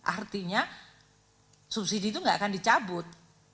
artinya subsidi itu nggak akan dicabut